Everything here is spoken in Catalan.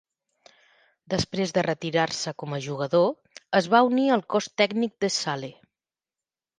Després de retirar-se com a jugador, es va unir al cos tècnic de Sale.